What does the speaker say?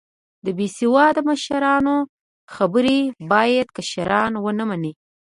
د بیسیواده مشرانو خبرې باید کشران و نه منې